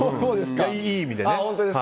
いい意味でね。